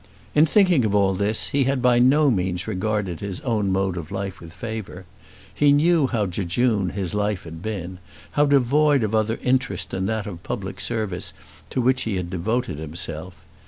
In thinking of all this he had by no means regarded his own mode of life with favour. He knew how jejune his life had been, how devoid of other interests than that of the public service to which he had devoted himself.